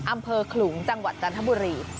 อำเภอขลุงจังหวัดจันทบุรี